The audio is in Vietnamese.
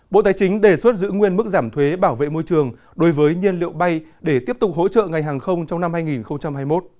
bộ tài chính đề xuất giữ nguyên mức giảm thuế bảo vệ môi trường đối với nhiên liệu bay để tiếp tục hỗ trợ ngành hàng không trong năm hai nghìn hai mươi một